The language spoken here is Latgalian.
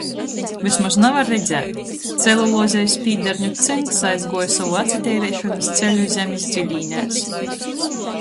Vysmoz navar redzēt — celuloze i spīdarņu cynks aizguoja sovu atsateireišonys ceļu zemis dzilīnēs.